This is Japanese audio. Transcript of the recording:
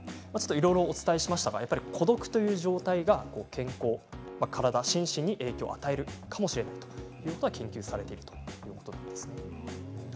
いろいろお伝えしましたが孤独という状態が健康、体、心身に影響を与えるかもしれないということが研究されているということなんです。